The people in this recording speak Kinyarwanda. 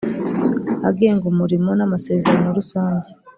agenga umurimo n amasezerano rusange